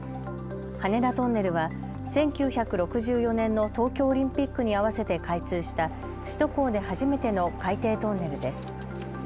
羽田トンネルは１９６４年の東京オリンピックに合わせて開通した首都高で初めての海底トンネルです。